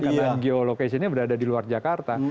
karena geolocation nya berada di luar jakarta